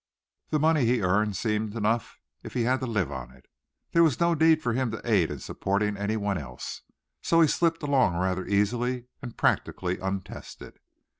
The money he earned seemed enough if he had to live on it. There was no need for him to aid in supporting anyone else. So he slipped along rather easily and practically untested.